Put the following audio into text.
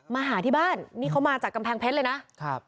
มาหาที่บ้านนี่เขามาจากกำแพงเพชรเลยนะครับ